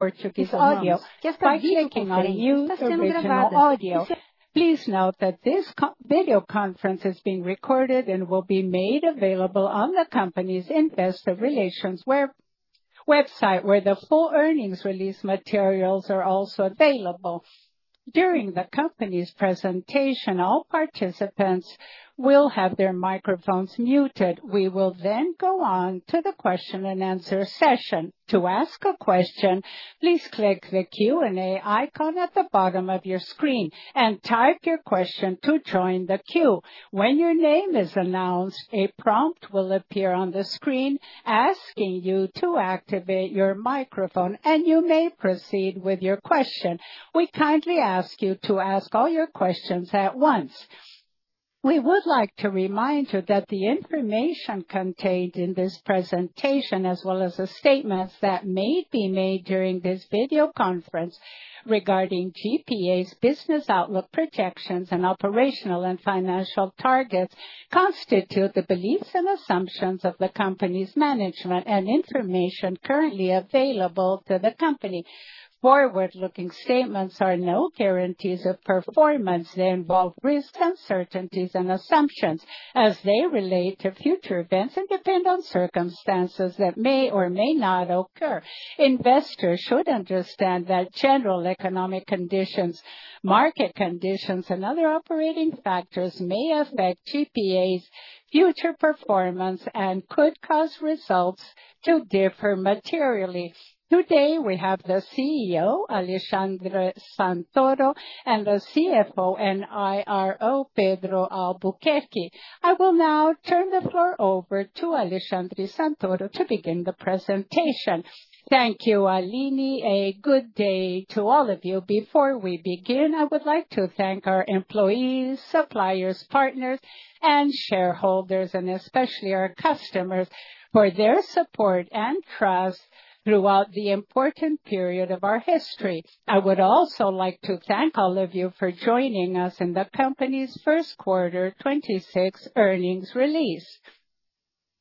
Please note that this video conference is being recorded and will be made available on the company's investor relations website, where the full earnings release materials are also available. During the company's presentation, all participants will have their microphones muted. We will then go on to the question-and-answer session. To ask a question, please click the Q&A icon at the bottom of your screen and type your question to join the queue. When your name is announced, a prompt will appear on the screen asking you to activate your microphone, and you may proceed with your question. We kindly ask you to ask all your questions at once. We would like to remind you that the information contained in this presentation, as well as the statements that may be made during this video conference regarding GPA's business outlook, projections, and operational and financial targets, constitute the beliefs and assumptions of the company's management and information currently available to the company. Forward-looking statements are no guarantees of performance. They involve risks, uncertainties and assumptions as they relate to future events and depend on circumstances that may or may not occur. Investors should understand that general economic conditions, market conditions and other operating factors may affect GPA's future performance and could cause results to differ materially. Today, we have the CEO, Alexandre Santoro, and the CFO and IRO, Pedro Albuquerque. I will now turn the floor over to Alexandre Santoro to begin the presentation. Thank you, Aline. A good day to all of you. Before we begin, I would like to thank our employees, suppliers, partners and shareholders, and especially our customers for their support and trust throughout the important period of our history. I would also like to thank all of you for joining us in the company's first quarter 2026 earnings release.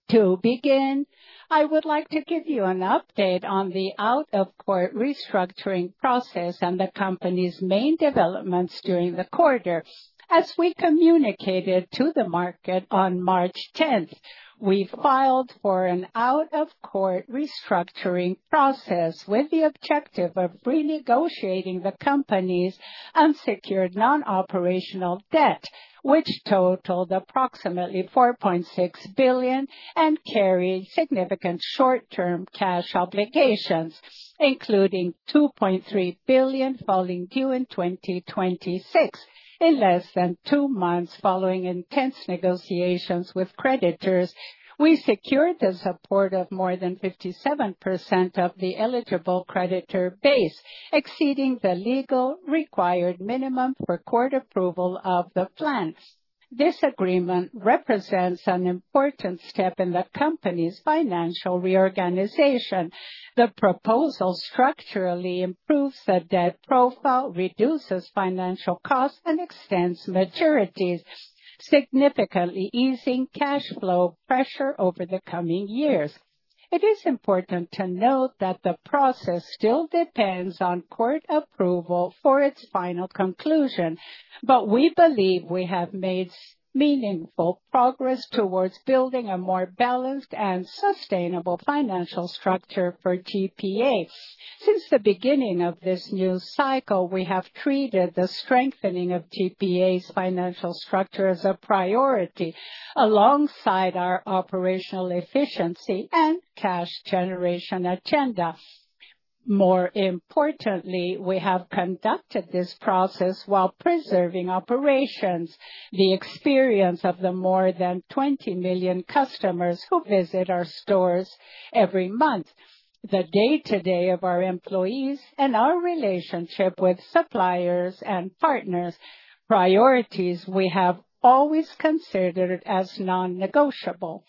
To begin, I would like to give you an update on the out-of-court restructuring process and the company's main developments during the quarter. As we communicated to the market on March tenth, we filed for an out-of-court restructuring process with the objective of renegotiating the company's unsecured non-operational debt, which totaled approximately 4.6 billion and carried significant short-term cash obligations, including 2.3 billion falling due in 2026. In less than two months, following intense negotiations with creditors, we secured the support of more than 57% of the eligible creditor base, exceeding the legal required minimum for court approval of the plans. This agreement represents an important step in the company's financial reorganization. The proposal structurally improves the debt profile, reduces financial costs, and extends maturities, significantly easing cash flow pressure over the coming years. It is important to note that the process still depends on court approval for its final conclusion, but we believe we have made meaningful progress towards building a more balanced and sustainable financial structure for GPA. Since the beginning of this new cycle, we have treated the strengthening of GPA's financial structure as a priority alongside our operational efficiency and cash generation agenda. More importantly, we have conducted this process while preserving operations. The experience of the more than 20 million customers who visit our stores every month, the day-to-day of our employees, and our relationship with suppliers and partners, priorities we have always considered as non-negotiable.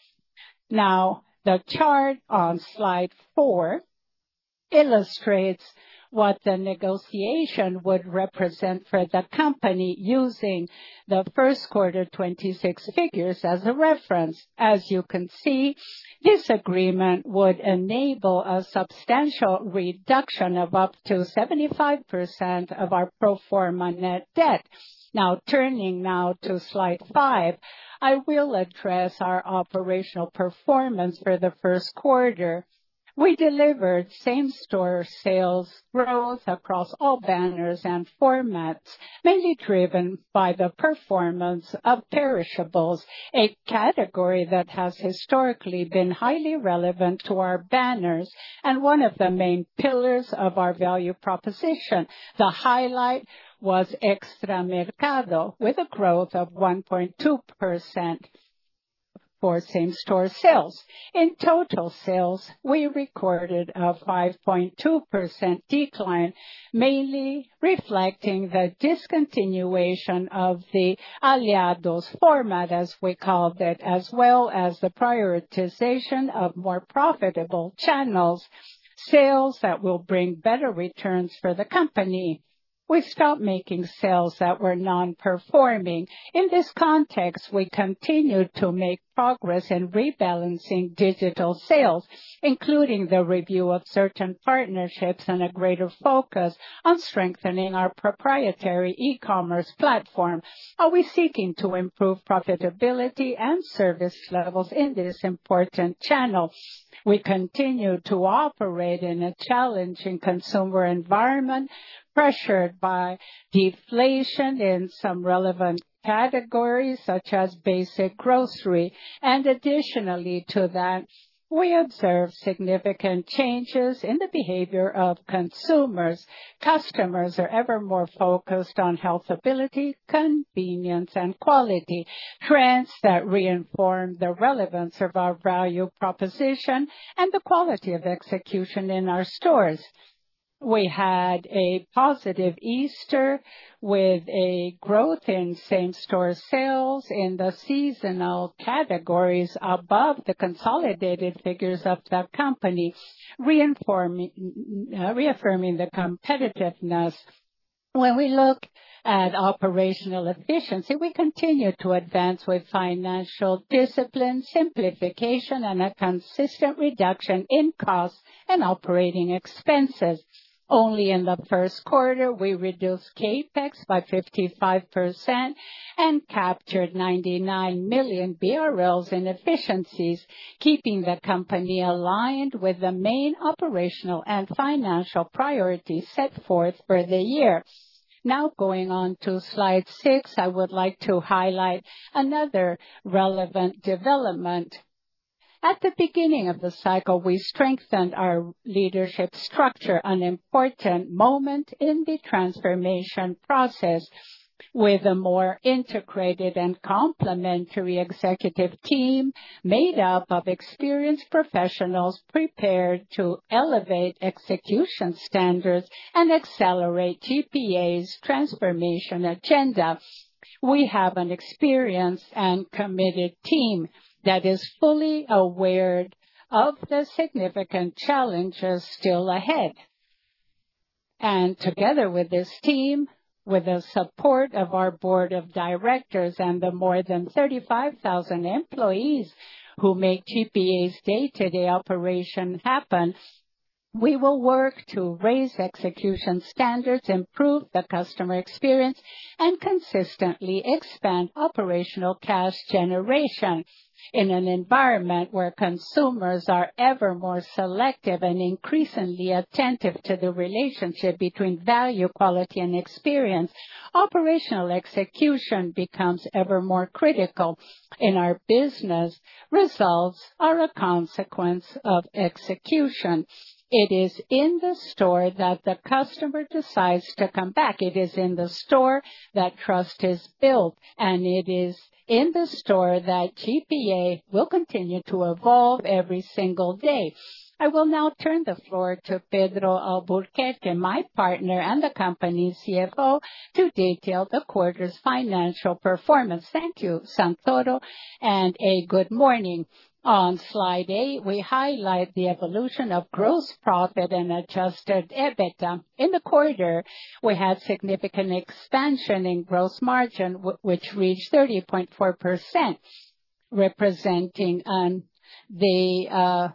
The chart on slide 4 illustrates what the negotiation would represent for the company using the first quarter 2026 figures as a reference. As you can see, this agreement would enable a substantial reduction of up to 75% of our pro forma net debt. Turning now to slide 5, I will address our operational performance for the first quarter. We delivered same-store sales growth across all banners and formats, mainly driven by the performance of perishables, a category that has historically been highly relevant to our banners and one of the main pillars of our value proposition. The highlight was Extra Mercado, with a growth of 1.2% for same-store sales. In total sales, we recorded a 5.2% decline, mainly reflecting the discontinuation of the Aliados format, as we called it, as well as the prioritization of more profitable channels, sales that will bring better returns for the company. We stopped making sales that were non-performing. In this context, we continued to make progress in rebalancing digital sales, including the review of certain partnerships and a greater focus on strengthening our proprietary e-commerce platform. Are we seeking to improve profitability and service levels in this important channel? We continue to operate in a challenging consumer environment, pressured by deflation in some relevant categories, such as basic grocery. Additionally to that, we observe significant changes in the behavior of consumers. Customers are ever more focused on affordability, convenience, and quality. Trends that reinforce the relevance of our value proposition and the quality of execution in our stores. We had a positive Easter with a growth in same-store sales in the seasonal categories above the consolidated figures of the company, reaffirming the competitiveness. When we look at operational efficiency, we continue to advance with financial discipline, simplification, and a consistent reduction in costs and operating expenses. Only in the first quarter, we reduced CapEx by 55% and captured 99 million in efficiencies, keeping the company aligned with the main operational and financial priorities set forth for the year. Now going on to slide six, I would like to highlight another relevant development. At the beginning of the cycle, we strengthened our leadership structure, an important moment in the transformation process, with a more integrated and complementary executive team made up of experienced professionals prepared to elevate execution standards and accelerate GPA's transformation agenda. We have an experienced and committed team that is fully aware of the significant challenges still ahead. Together with this team, with the support of our board of directors and the more than 35,000 employees who make GPA's day-to-day operation happen, we will work to raise execution standards, improve the customer experience, and consistently expand operational cash generation. In an environment where consumers are ever more selective and increasingly attentive to the relationship between value, quality, and experience, operational execution becomes ever more critical. In our business, results are a consequence of execution. It is in the store that the customer decides to come back. It is in the store that trust is built, and it is in the store that GPA will continue to evolve every single day. I will now turn the floor to Pedro Albuquerque, my partner and the company's CFO, to detail the quarter's financial performance. Thank you, Santoro, and a good morning. On slide 8, we highlight the evolution of gross profit and adjusted EBITDA. In the quarter, we had significant expansion in gross margin which reached 30.4%, representing the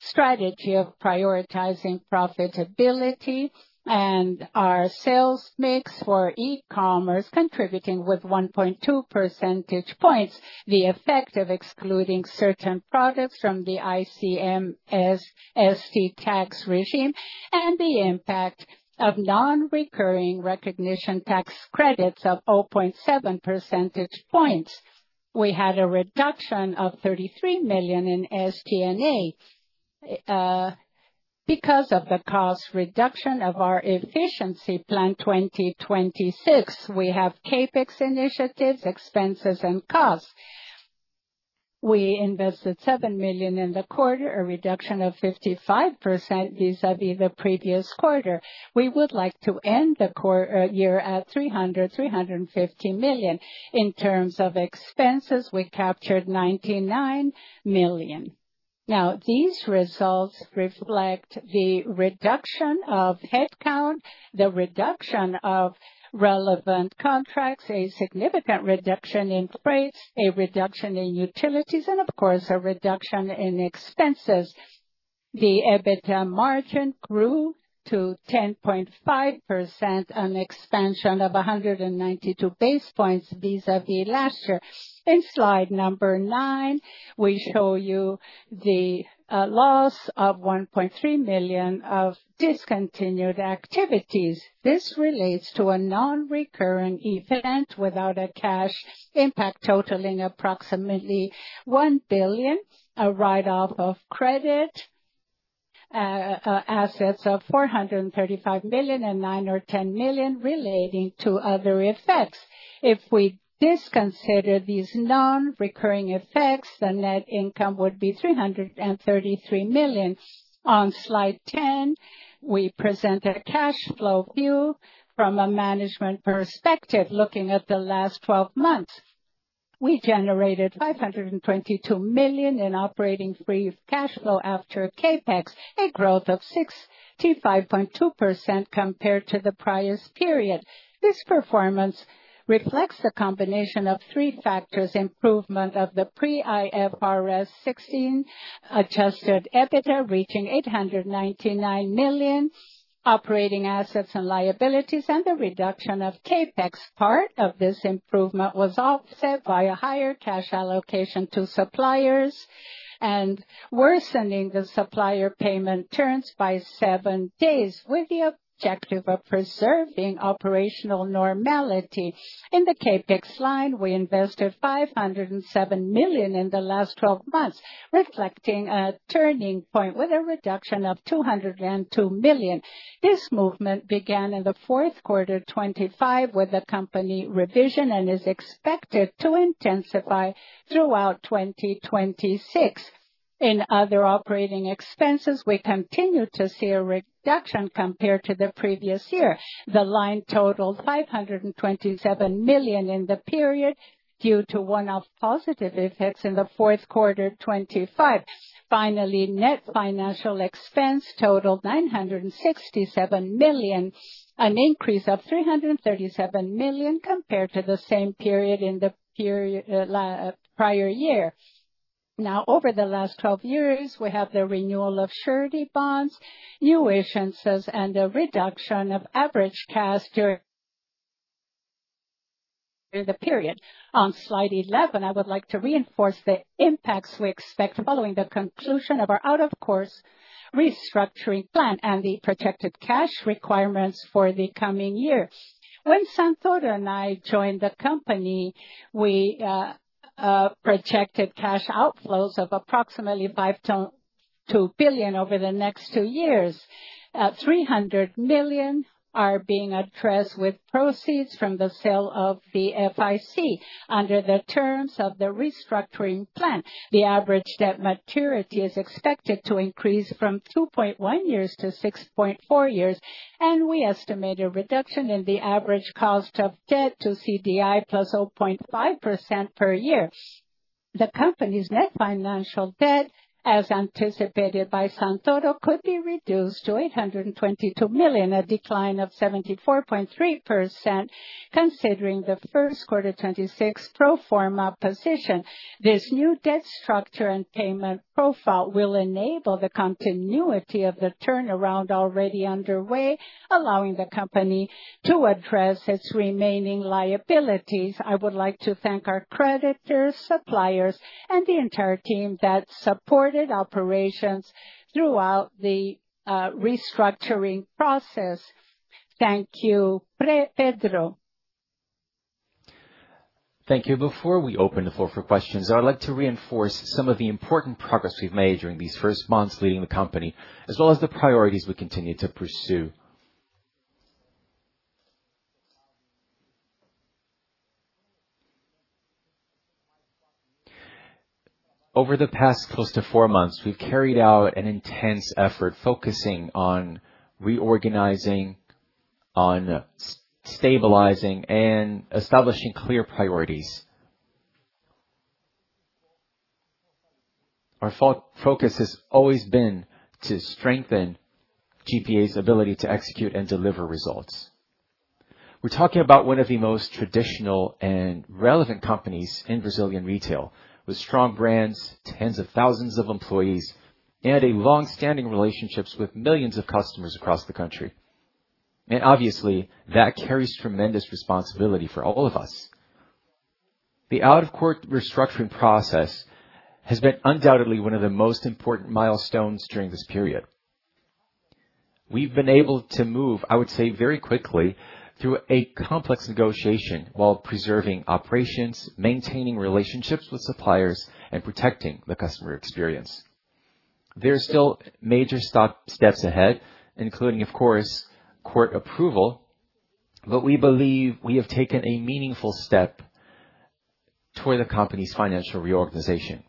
strategy of prioritizing profitability and our sales mix for e-commerce, contributing with 1.2 percentage points, the effect of excluding certain products from the ICMS-ST tax regime, and the impact of non-recurring recognition tax credits of 0.7 percentage points. We had a reduction of 33 million in SG&A because of the cost reduction of our efficiency plan 2026. We have CapEx initiatives, expenses, and costs. We invested 7 million in the quarter, a reduction of 55% vis-à-vis the previous quarter. We would like to end the year at 300 million, 350 million. In terms of expenses, we captured 99 million. Now, these results reflect the reduction of headcount, the reduction of relevant contracts, a significant reduction in freight, a reduction in utilities, and of course, a reduction in expenses. The EBITDA margin grew to 10.5%, an expansion of 192 basis points vis-à-vis last year. In slide number 9, we show you the loss of 1.3 million of discontinued activities. This relates to a non-recurring event without a cash impact totaling approximately 1 billion, a write-off of credit. Assets of 435 million and 9 million or 10 million relating to other effects. If we disconsider these non-recurring effects, the net income would be 333 million. On slide 10, we present a cash flow view from a management perspective looking at the last 12 months. We generated 522 million in operating free cash flow after CapEx, a growth of 65.2% compared to the prior period. This performance reflects the combination of three factors. Improvement of the pre-IFRS 16 adjusted EBITDA reaching 899 million, operating assets and liabilities, and the reduction of CapEx. Part of this improvement was offset by a higher cash allocation to suppliers and worsening the supplier payment terms by seven days with the objective of preserving operational normality. In the CapEx slide, we invested 507 million in the last 12 months, reflecting a turning point with a reduction of 202 million. This movement began in the fourth quarter 2025 with the company revision and is expected to intensify throughout 2026. In other operating expenses, we continue to see a reduction compared to the previous year. The line totaled 527 million in the period due to one-off positive effects in the fourth quarter 2025. Finally, net financial expense totaled 967 million, an increase of 337 million compared to the same period in the prior year. Over the last 12 years, we have the renewal of surety bonds, new issuances and a reduction of average cash during the period. On slide 11, I would like to reinforce the impacts we expect following the conclusion of our out-of-court restructuring plan and the projected cash requirements for the coming year. When Santoro and I joined the company, we projected cash outflows of approximately 2 billion over the next two years. 300 million are being addressed with proceeds from the sale of the FIC under the terms of the restructuring plan. The average debt maturity is expected to increase from 2.1 years to 6.4 years, and we estimate a reduction in the average cost of debt to CDI plus 0.5% per year. The company's net financial debt, as anticipated by Santoro, could be reduced to 822 million, a decline of 74.3% considering the first quarter 2026 pro forma position. This new debt structure and payment profile will enable the continuity of the turnaround already underway, allowing the company to address its remaining liabilities. I would like to thank our creditors, suppliers and the entire team that supported operations throughout the restructuring process. Thank you. Pedro. Thank you. Before we open the floor for questions, I'd like to reinforce some of the important progress we've made during these first months leading the company, as well as the priorities we continue to pursue. Over the past close to four months, we've carried out an intense effort focusing on reorganizing, on stabilizing and establishing clear priorities. Our focus has always been to strengthen GPA's ability to execute and deliver results. We're talking about one of the most traditional and relevant companies in Brazilian retail, with strong brands, tens of thousands of employees, and a long-standing relationships with millions of customers across the country. Obviously, that carries tremendous responsibility for all of us. The out-of-court restructuring process has been undoubtedly one of the most important milestones during this period. We've been able to move, I would say, very quickly through a complex negotiation while preserving operations, maintaining relationships with suppliers, and protecting the customer experience. There are still major steps ahead, including, of course, court approval, but we believe we have taken a meaningful step toward the company's financial reorganization.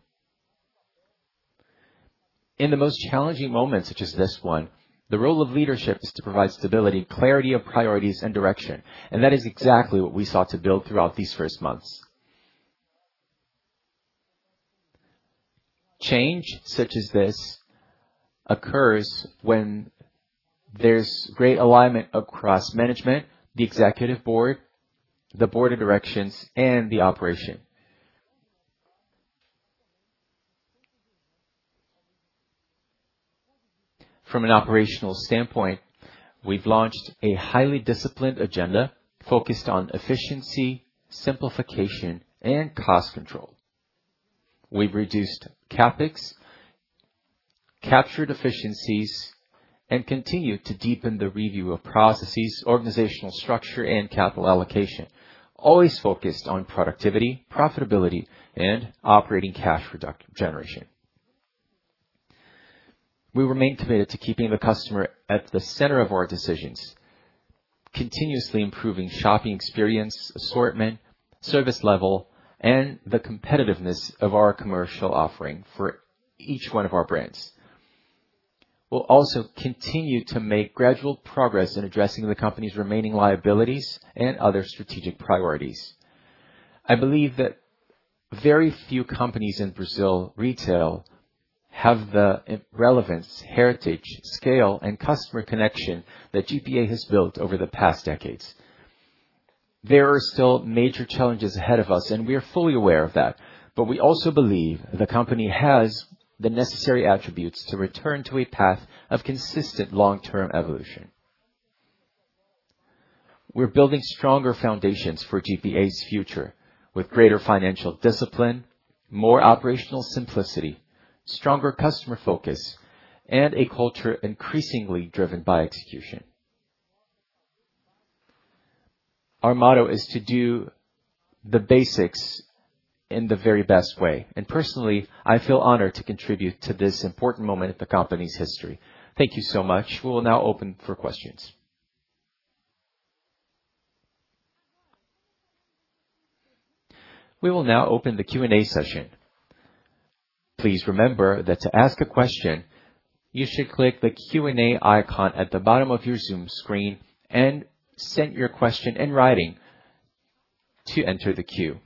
In the most challenging moments such as this one, the role of leadership is to provide stability, clarity of priorities and direction, and that is exactly what we sought to build throughout these first months. Change such as this occurs when there's great alignment across management, the executive board, the board of directors and the operation. From an operational standpoint, we've launched a highly disciplined agenda focused on efficiency, simplification and cost control. We've reduced CapEx, captured efficiencies. Continue to deepen the review of processes, organizational structure, and capital allocation. Always focused on productivity, profitability, and operating cash generation. We remain committed to keeping the customer at the center of our decisions, continuously improving shopping experience, assortment, service level, and the competitiveness of our commercial offering for each one of our brands. We'll also continue to make gradual progress in addressing the company's remaining liabilities and other strategic priorities. I believe that very few companies in Brazil retail have the relevance, heritage, scale, and customer connection that GPA has built over the past decades. There are still major challenges ahead of us, and we are fully aware of that, but we also believe the company has the necessary attributes to return to a path of consistent long-term evolution. We're building stronger foundations for GPA's future with greater financial discipline, more operational simplicity, stronger customer focus, and a culture increasingly driven by execution. Our motto is to do the basics in the very best way, and personally, I feel honored to contribute to this important moment in the company's history. Thank you so much. We will now open for questions. We will now open the Q&A session. Please remember that to ask a question, you should click the Q&A icon at the bottom of your Zoom screen and send your question in writing to enter the queue.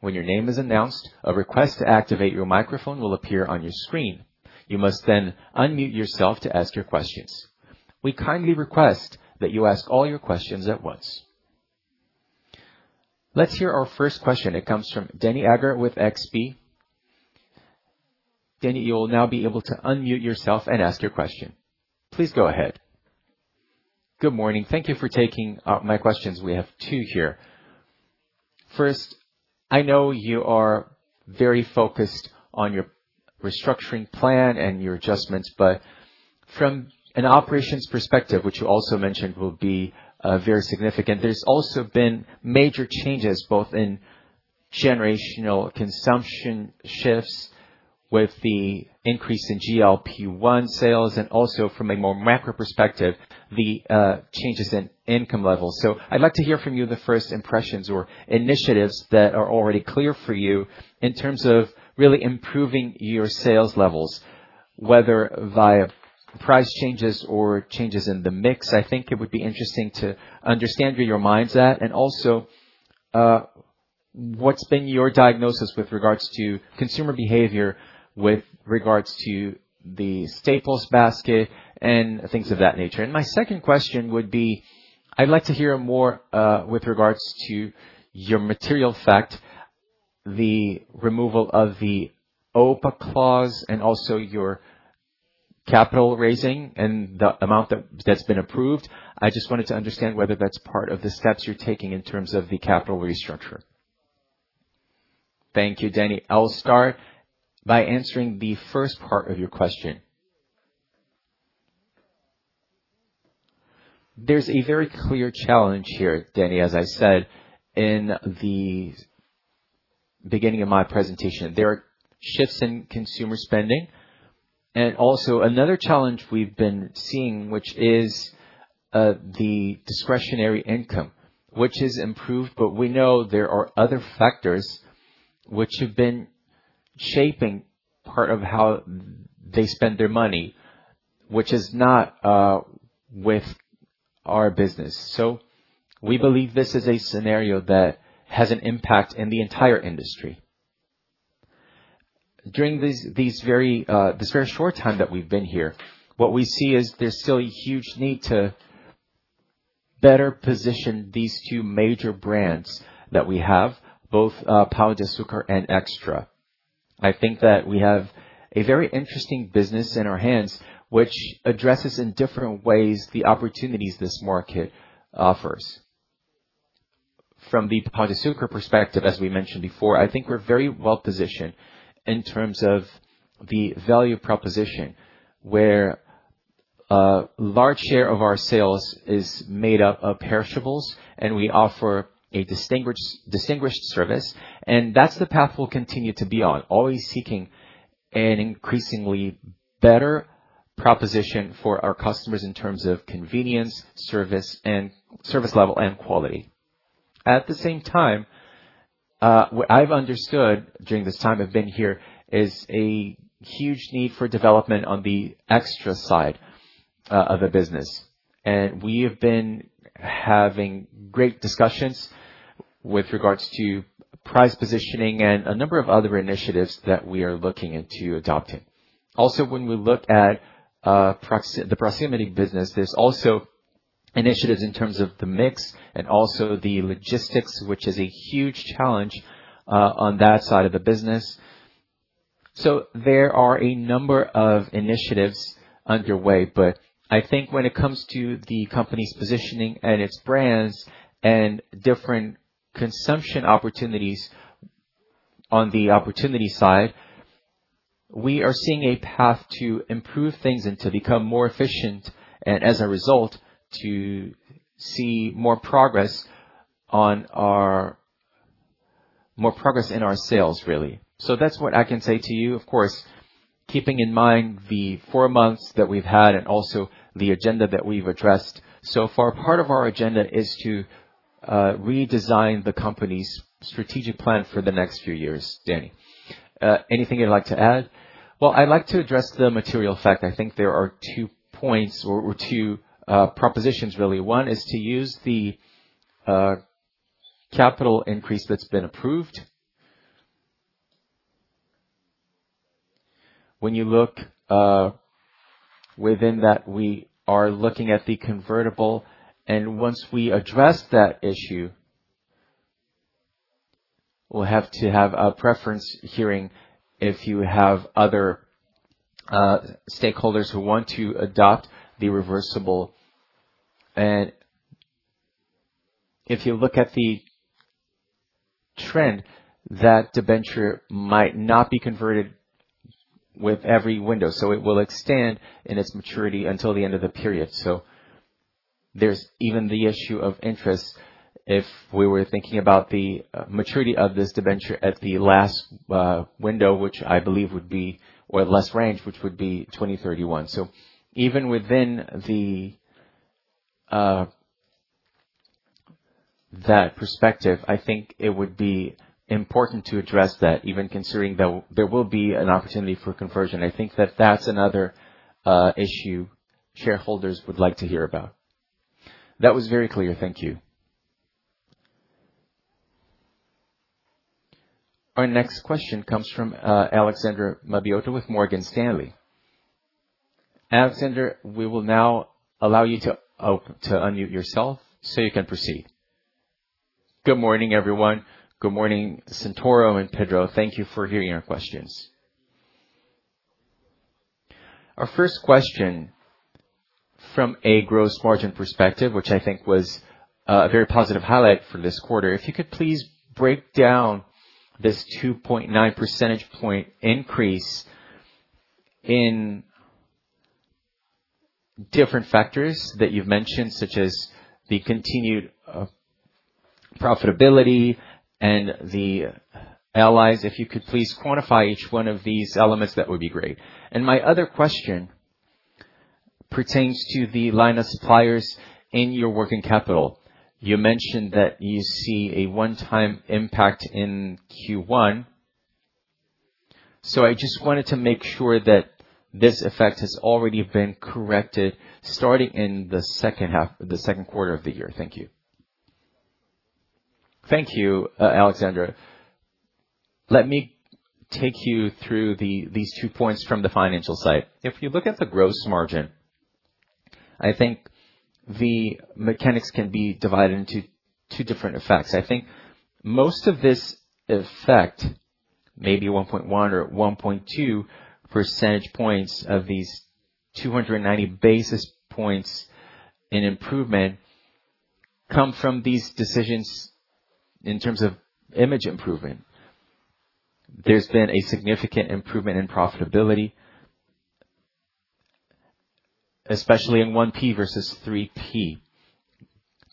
When your name is announced, a request to activate your microphone will appear on your screen. You must then unmute yourself to ask your questions. We kindly request that you ask all your questions at once. Let's hear our first question. It comes from Danni Eiger with XP. Danni, you will now be able to unmute yourself and ask your question. Please go ahead. Good morning. Thank you for taking my questions. We have two here. First, I know you are very focused on your restructuring plan and your adjustments, but from an operations perspective, which you also mentioned will be very significant. There's also been major changes, both in generational consumption shifts with the increase in GLP-1 sales, and also from a more macro perspective, the changes in income levels. I'd like to hear from you the first impressions or initiatives that are already clear for you in terms of really improving your sales levels, whether via price changes or changes in the mix. I think it would be interesting to understand where your mind's at and also what's been your diagnosis with regards to consumer behavior with regards to the staples basket and things of that nature. My second question would be, I'd like to hear more with regards to your material fact, the removal of the OPA clause and also your capital raising and the amount that's been approved. Thank you, Danni. I'll start by answering the first part of your question. There's a very clear challenge here, Danni. As I said in the beginning of my presentation, there are shifts in consumer spending. Also another challenge we've been seeing, which is the discretionary income, which has improved. We know there are other factors which have been shaping part of how they spend their money, which is not with our business. We believe this is a scenario that has an impact in the entire industry. During these very short time that we've been here, what we see is there's still a huge need to better position these two major brands that we have, both Pão de Açúcar and Extra. I think that we have a very interesting business in our hands, which addresses in different ways the opportunities this market offers. From the Pão de Açúcar perspective, as we mentioned before, I think we're very well-positioned in terms of the value proposition, where a large share of our sales is made up of perishables, and we offer a distinguished service, and that's the path we'll continue to be on. Always seeking an increasingly better proposition for our customers in terms of convenience, service level and quality. At the same time, what I've understood during this time I've been here is a huge need for development on the Extra side of the business. We have been having great discussions with regards to price positioning and a number of other initiatives that we are looking into adopting. Also, when we look at the proximity business, there's also initiatives in terms of the mix and also the logistics, which is a huge challenge on that side of the business. There are a number of initiatives underway, but I think when it comes to the company's positioning and its brands and different consumption opportunities. On the opportunity side, we are seeing a path to improve things and to become more efficient, and as a result, to see more progress in our sales, really. That's what I can say to you. Of course, keeping in mind the four months that we've had and also the agenda that we've addressed. So far, part of our agenda is to redesign the company's strategic plan for the next few years. Danni, anything you'd like to add? Well, I'd like to address the material fact. I think there are 2 points or 2 propositions really. One is to use the capital increase that's been approved. When you look within that, we are looking at the convertible, and once we address that issue, we'll have to have a preference hearing if you have other stakeholders who want to adopt the reversible. If you look at the trend, that debenture might not be converted with every window, so it will extend in its maturity until the end of the period. There's even the issue of interest if we were thinking about the maturity of this debenture at the last window, which I believe would be or less range, which would be 2031. Even within that perspective, I think it would be important to address that. Even considering there will be an opportunity for conversion. I think that's another issue shareholders would like to hear about. That was very clear. Thank you. Our next question comes from Alexander Mabioto with Morgan Stanley. Alexander, we will now allow you to unmute yourself, so you can proceed. Good morning, everyone. Good morning, Santoro and Pedro. Thank you for hearing our questions. Our first question, from a gross margin perspective, which I think was a very positive highlight for this quarter. If you could please break down this 2.9 percentage point increase in different factors that you've mentioned, such as the continued profitability and the allies. If you could please quantify each one of these elements, that would be great. My other question pertains to the line of suppliers in your working capital. You mentioned that you see a one-time impact in Q one. I just wanted to make sure that this effect has already been corrected starting in the second half, the second quarter of the year. Thank you. Thank you, Alexander. Let me take you through these two points from the financial side. If you look at the gross margin, I think the mechanics can be divided into two different effects. I think most of this effect, maybe 1.1 or 1.2 percentage points of these 290 basis points in improvement, come from these decisions in terms of image improvement. There's been a significant improvement in profitability, especially in 1P versus 3P,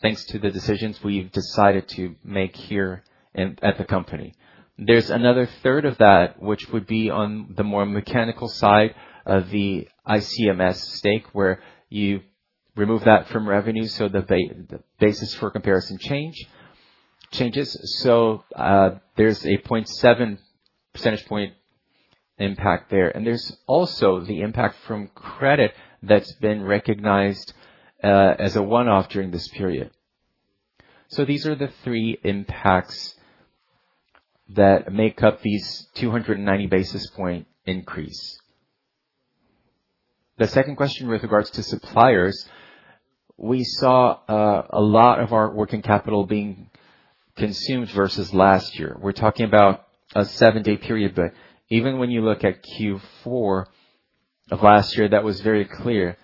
thanks to the decisions we've decided to make here at the company. There's another third of that, which would be on the more mechanical side of the ICMS stake, where you remove that from revenue, so the basis for comparison changes. There's a 0.7 percentage point impact there. There's also the impact from credit that's been recognized as a one-off during this period. These are the three impacts that make up these 290 basis point increase. The second question with regards to suppliers, we saw a lot of our working capital being consumed versus last year. We're talking about a seven-day period, but even when you look at Q4 of last year, that was very clear.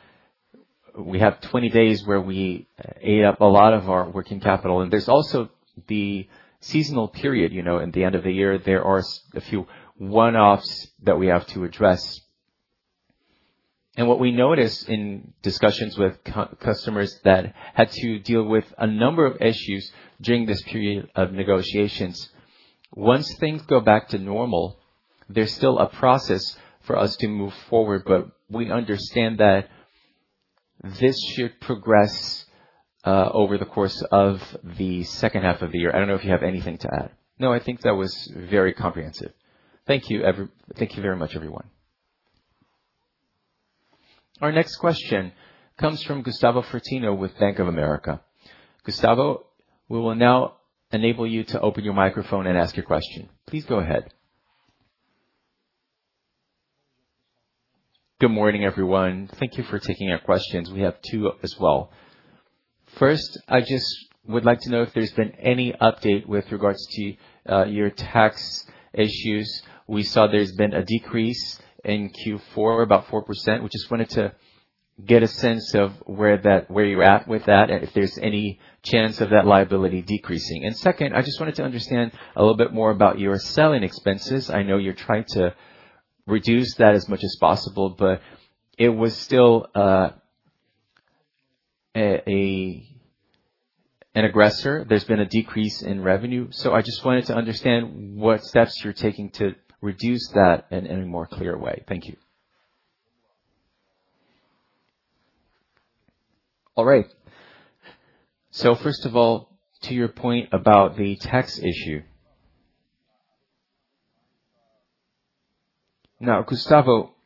We have 20 days where we ate up a lot of our working capital. There's also the seasonal period, you know, at the end of the year. There are a few one-offs that we have to address. What we noticed in discussions with customers that had to deal with a number of issues during this period of negotiations. Once things go back to normal, there's still a process for us to move forward, but we understand that this should progress over the course of the second half of the year. I don't know if you have anything to add. No, I think that was very comprehensive. Thank you very much, everyone. Our next question comes from Gustavo Fratini with Bank of America. Gustavo, we will now enable you to open your microphone and ask your question. Please go ahead. Good morning, everyone. Thank you for taking our questions. We have two as well. First, I just would like to know if there's been any update with regards to your tax issues. We saw there's been a decrease in Q4, about 4%. We just wanted to get a sense of where you're at with that, and if there's any chance of that liability decreasing. Second, I just wanted to understand a little bit more about your selling expenses. I know you're trying to reduce that as much as possible, but it was still an aggressor. I just wanted to understand what steps you're taking to reduce that in any more clear way. Thank you. All right. First of all, to your point about the tax issue. Now, Gustavo,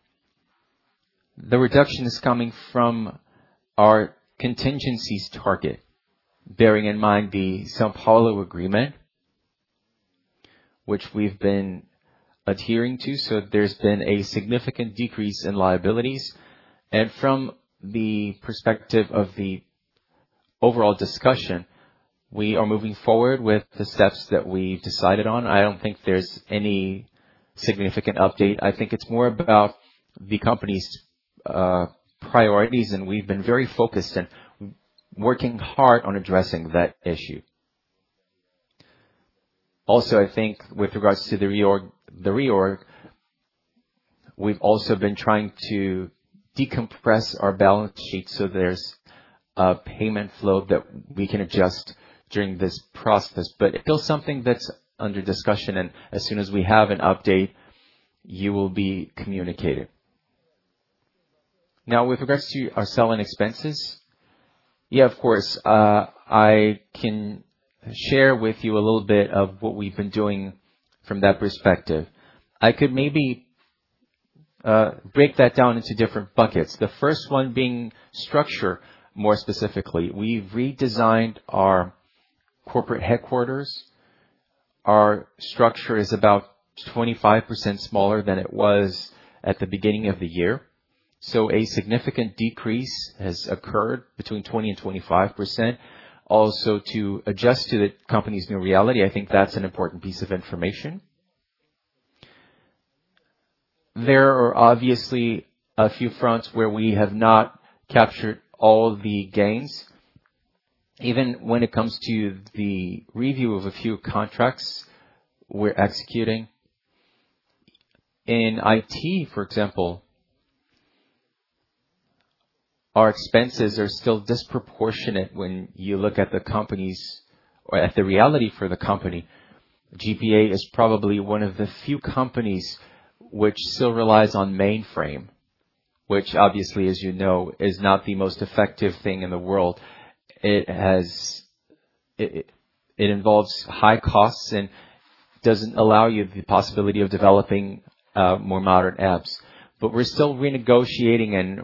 the reduction is coming from our contingencies target, bearing in mind the São Paulo Agreement, which we've been adhering to. There's been a significant decrease in liabilities. From the perspective of the overall discussion, we are moving forward with the steps that we decided on. I don't think there's any significant update. I think it's more about the company's priorities, and we've been very focused and working hard on addressing that issue. I think with regards to the reorg, we've also been trying to decompress our balance sheet so there's a payment flow that we can adjust during this process. It's still something that's under discussion, and as soon as we have an update, you will be communicated. With regards to our selling expenses. Yeah, of course. I can share with you a little bit of what we've been doing from that perspective. I could maybe break that down into different buckets. The first one being structure. More specifically, we've redesigned our corporate headquarters. Our structure is about 25% smaller than it was at the beginning of the year. A significant decrease has occurred between 20%-25%. To adjust to the company's new reality, I think that's an important piece of information. There are obviously a few fronts where we have not captured all the gains, even when it comes to the review of a few contracts we're executing. In IT, for example, our expenses are still disproportionate when you look at the company's or at the reality for the company. GPA is probably one of the few companies which still relies on mainframe, which obviously, as you know, is not the most effective thing in the world. It involves high costs and doesn't allow you the possibility of developing more modern apps. We're still renegotiating and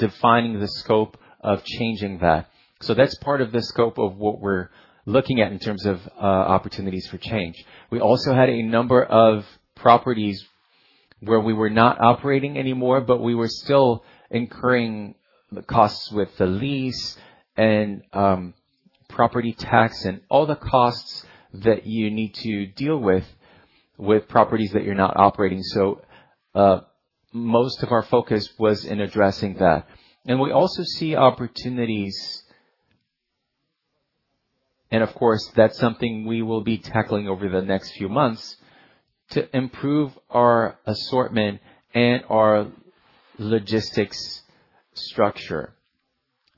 redefining the scope of changing that. That's part of the scope of what we're looking at in terms of opportunities for change. We also had a number of properties where we were not operating anymore, but we were still incurring the costs with the lease and property tax and all the costs that you need to deal with properties that you're not operating. Most of our focus was in addressing that. We also see opportunities, and of course, that's something we will be tackling over the next few months to improve our assortment and our logistics structure.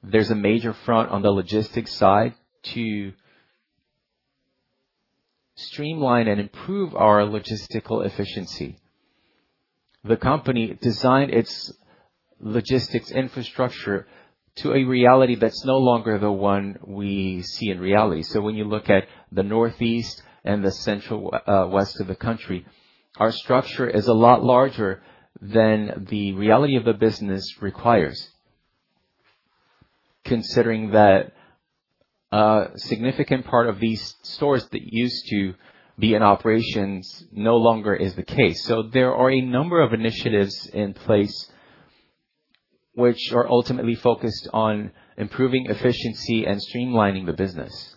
There's a major front on the logistics side to streamline and improve our logistical efficiency. The company designed its logistics infrastructure to a reality that's no longer the one we see in reality. When you look at the Northeast and the Central West of the country, our structure is a lot larger than the reality of the business requires. Considering that a significant part of these stores that used to be in operations no longer is the case. There are a number of initiatives in place which are ultimately focused on improving efficiency and streamlining the business.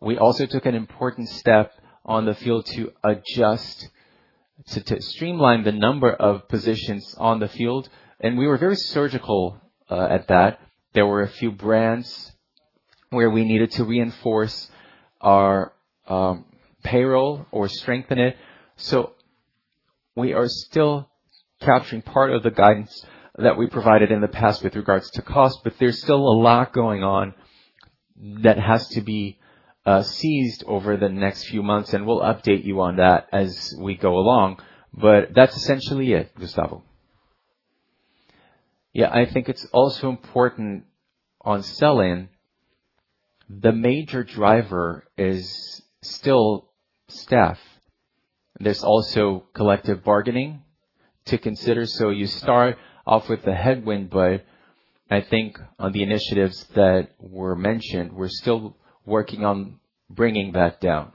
We also took an important step on the field to adjust, to streamline the number of positions on the field, and we were very surgical at that. There were a few brands where we needed to reinforce our payroll or strengthen it. We are still capturing part of the guidance that we provided in the past with regards to cost, but there's still a lot going on that has to be seized over the next few months, and we'll update you on that as we go along. That's essentially it, Gustavo. Yeah, I think it's also important on selling. The major driver is still staff. There's also collective bargaining to consider. You start off with the headwind, but I think on the initiatives that were mentioned, we're still working on bringing that down.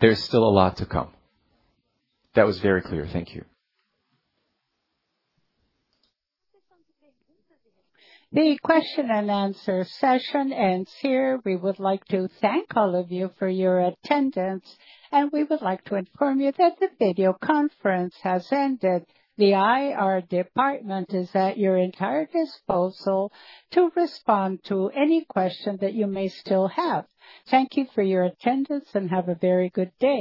There's still a lot to come. That was very clear. Thank you. The question and answer session ends here. We would like to thank all of you for your attendance, and we would like to inform you that the video conference has ended. The IR department is at your entire disposal to respond to any question that you may still have. Thank you for your attendance, and have a very good day.